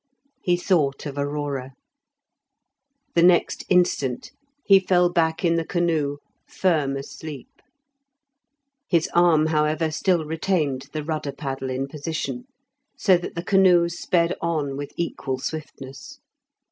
He thought of Aurora; the next instant he fell back in the canoe firm asleep. His arm, however, still retained the rudder paddle in position, so that the canoe sped on with equal swiftness.